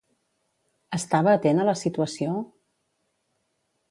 Estava atent a la situació?